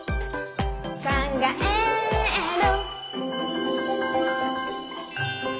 「かんがえる」